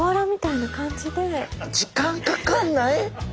時間かかんない？